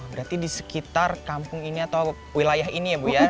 berarti di sekitar kampung ini atau wilayah ini ya bu ya